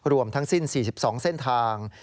รวมทั้งสิ้น๔๒เส้นทาง